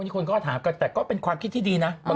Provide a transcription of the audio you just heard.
นี่คนก็ถามกันแต่ก็เป็นความคิดที่ดีนะ